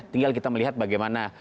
tinggal kita melihat bagaimana